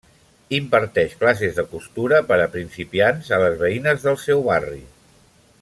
Imparteix classes de costura per a principiants a les veïnes del seu barri.